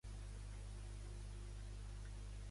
Vaig al carrer d'Anna M. Martínez Sagi.